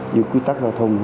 như quy tắc giao thông